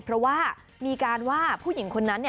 เพราะว่ามีการว่าผู้หญิงคนนั้น